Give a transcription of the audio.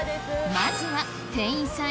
まずは店員さん